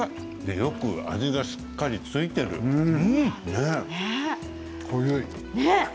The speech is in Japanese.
よく味がしっかり付いているね。